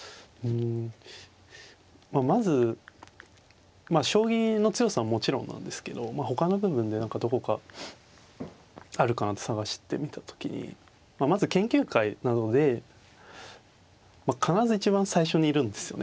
まず将棋の強さももちろんなんですけどほかの部分で何かどこかあるかなって探してみた時にまず研究会などで必ず一番最初にいるんですよね彼は。